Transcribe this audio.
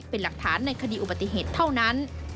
เป็นหลักฐานในคดีอุบัติเหตุเท่านั้น